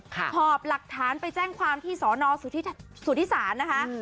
หอบหลักฐานไปแจ้งความที่สอนอสุทธิศาลนะคะ